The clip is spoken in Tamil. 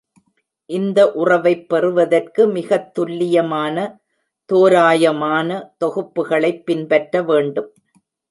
இந்த உறவைப் பெறுவதற்கு மிகத் துல்லியமான தோராயமான தொகுப்புகளைப் பின்பற்ற வேண்டும்.